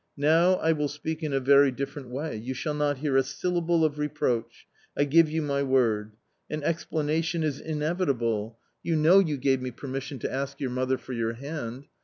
Now I will speak in a very different way ; you shall not hear a syllable of reproach, I give you my word. An explanation is inevitable: you 122 A COMMON STORY know you gave me permission to ask your mother for your hand.